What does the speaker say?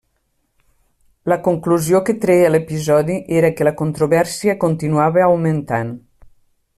La conclusió que treia l'episodi era que la controvèrsia continuava augmentant.